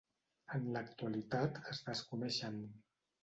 En l'actualitat es desconeixen.